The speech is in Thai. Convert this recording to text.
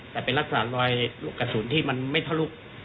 แต่เป็นลักษณะลอยกระสุนที่มันไม่เท่าลูก